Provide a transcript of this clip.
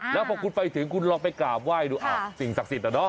แล้วพอคุณไปถึงคุณลองไปกราบไหว้ดูอ้าวสิ่งศักดิ์สิทธิอะเนาะ